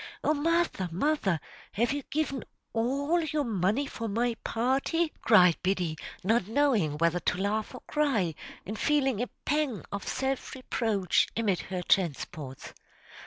"Oh, mother! mother! have you given all your money for my party?" cried Biddy, not knowing whether to laugh or cry, and feeling a pang of self reproach amid her transports.